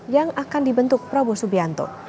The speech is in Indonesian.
yang akan dibentuk prabowo subianto